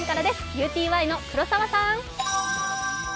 ＵＴＹの黒澤さん。